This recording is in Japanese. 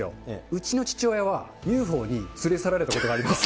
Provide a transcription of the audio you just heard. うちの父親はＵＦＯに連れ去られたことがあります。